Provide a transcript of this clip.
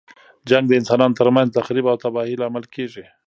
جنګ د انسانانو تر منځ تخریب او تباهۍ لامل کیږي.